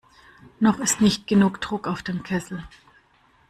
Noch ist nicht genug Druck auf dem Kessel.